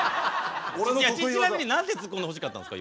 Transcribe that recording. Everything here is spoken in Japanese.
ちなみに何てツッコんでほしかったんですか？